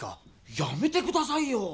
やめて下さいよ！